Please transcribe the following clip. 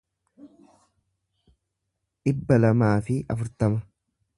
dhibba lamaa fi afurtama